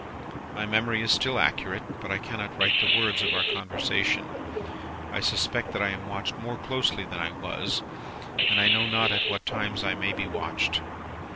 "My memory is still accurate, but I cannot write the words of our conversation. I suspect that I am watched more closely than I was, and I know not at what times I may be watched.